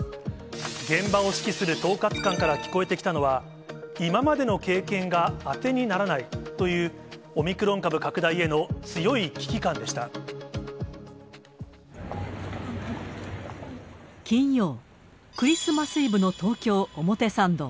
現場を指揮する統括官から聞こえてきたのは、今までの経験が当てにならないという、オミクロン株拡大への強い金曜、クリスマスイブの東京・表参道。